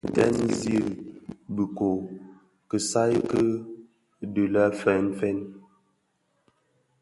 Bi dèn ziň bikö kisaï ki dhi lè fènfèn.